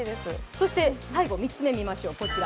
そして３つ目、見ましょう。